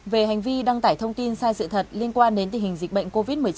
về hành vi đăng tải thông tin sai sự thật liên quan đến tình hình dịch bệnh covid một mươi chín